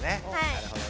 なるほど。